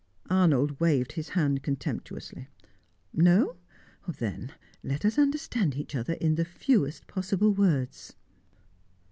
Arnold waved his hand contemptuously. "No? Then let us understand each other in the fewest possible words."